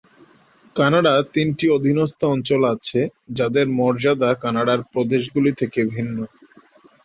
Canada তিনটি অধীনস্থ অঞ্চল আছে, যাদের মর্যাদা কানাডার প্রদেশগুলি থেকে ভিন্ন।